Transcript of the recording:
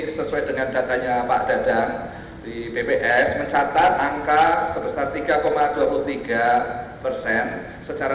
sesuai dengan datanya pak dadang di bps mencatat angka sebesar tiga dua puluh tiga persen secara